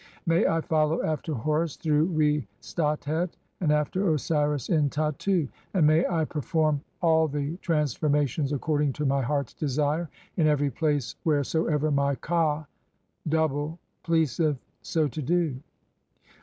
May I "follow after Horus through Re statet, and after Osiris in Tattu ; "and may I perform all the transformations according to my "heart's desire in every place wheresoever my ka (double) pleaseth "so to do."